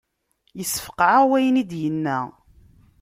Yessefqeε-aɣ wayen i d-yenna.